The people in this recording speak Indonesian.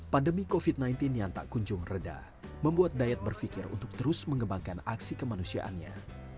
pandemi covid sembilan belas yang tak kunjung reda membuat dayat berpikir untuk terus mengembangkan aksi kemanusiaannya